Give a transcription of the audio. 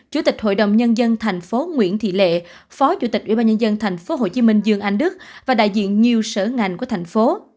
chủ tịch hội đồng nhân dân tp nguyễn thị lệ phó chủ tịch ubnd tp hcm dương anh đức và đại diện nhiều sở ngành của thành phố